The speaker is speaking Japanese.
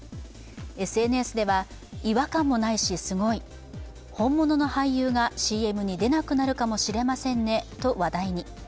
ＳＮＳでは、違和感もないし、すごい、本物の俳優がＣＭに出なくなるかもしれませんねと話題に。